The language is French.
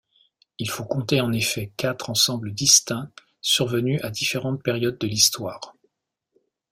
Il faut compter en effet quatre ensembles distincts survenus à différentes périodes de l'histoire.